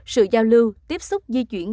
sự giao lưu tiếp xúc di chuyển